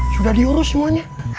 sudah diurus semuanya